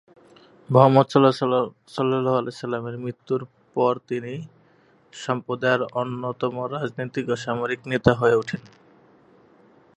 মুহাম্মদের মৃত্যুর পর তিনি সম্প্রদায়ের অন্যতম রাজনৈতিক ও সামরিক নেতা হয়ে ওঠেন।